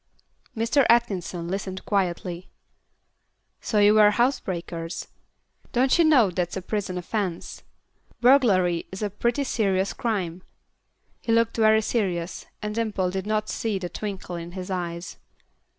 Mr. Atkinson listened quietly. "So you were housebreakers. Don't you know that's a prison offence? Burglary is a pretty serious crime." He looked very serious, and Dimple did not see the twinkle in his eyes.